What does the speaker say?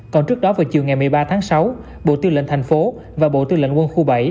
còn trước đó vào chiều ngày một mươi ba tháng sáu bộ tư lệnh thành phố và bộ tư lệnh quân khu bảy